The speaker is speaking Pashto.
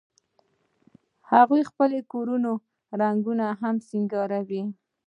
هغوی خپل کورونه رنګوي او سینګاروي